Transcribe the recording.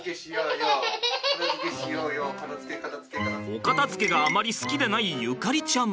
お片づけがあまり好きでない縁ちゃん。